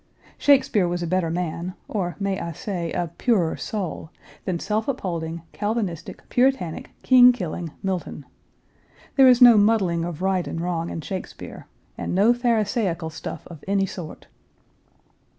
Shakespeare was a better man, or, may I say, a purer soul, than self upholding, Calvinistic, Puritanic, king killing Milton. There is no muddling of right and wrong in Shakespeare, and no pharisaical stuff of any sort."